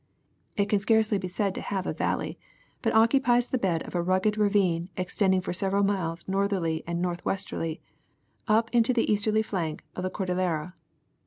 It can scarcely be said to have a valley, but occupies the bed of a rugged ravine extending for several miles northerly and north westerly up into the easterly flank of the cordillera.